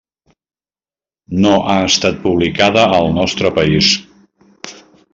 No ha estat publicada al nostre país.